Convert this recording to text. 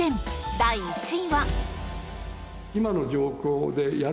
第１位は。